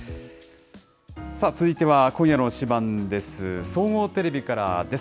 続いては今夜の推しバン！です。